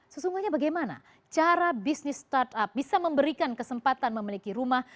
sesungguhnya bagaimana cara bisnis startup bisa memberikan kesempatan memiliki rumah